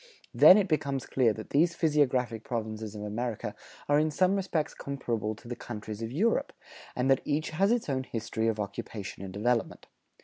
Then it becomes clear that these physiographic provinces of America are in some respects comparable to the countries of Europe, and that each has its own history of occupation and development.